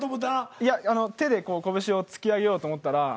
いや手でこう拳を突き上げようと思ったら。